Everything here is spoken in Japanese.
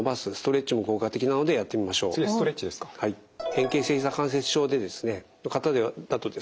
変形性ひざ関節症の方だとですね